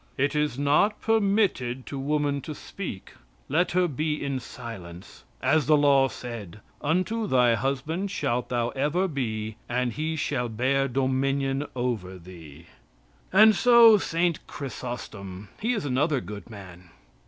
"It is not permitted to woman to speak; let her be in silence; as the law said: unto thy husband shalt thou ever be, and he shall bear dominion over thee." So St. Chrysostom. He is another good man.